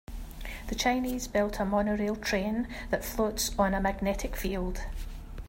The Chinese built a monorail train that floats on a magnetic field.